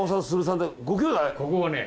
ここはね。